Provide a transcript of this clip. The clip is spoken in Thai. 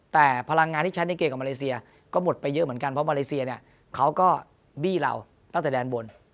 แต่พลังงานที่ใช้ในเกมกับมาเลเซียก็หมดไปเยอะเหมือนกันเพราะมาเลเซียเนี่ยเขาก็บี้เราตั้งแต่แดนบน